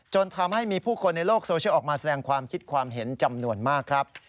จนทำให้มีผู้คนในโลกโซเชียลออกมาแสดงความคิดความเห็นจำนวนมากครับ